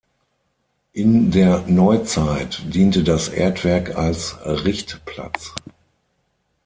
In der Neuzeit diente das Erdwerk als Richtplatz.